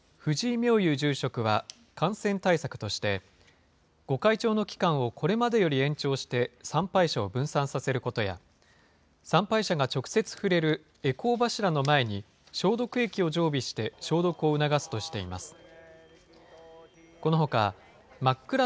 御開帳は、新型コロナの影響で１年延期となっていて、藤井明雄住職は感染対策として、御開帳の期間をこれまでより延長して参拝者を分散させることや、参拝者が直接触れる回向柱の前に、消毒液を常備して消毒を促すとしています。